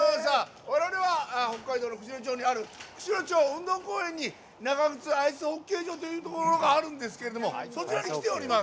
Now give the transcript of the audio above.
我々は、北海道の釧路町にある釧路町運動公園に長ぐつアイスホッケー場というところがあるんですけれどもそこに来ております。